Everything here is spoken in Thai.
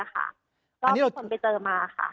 ก็มีคนไปเจอมาค่ะ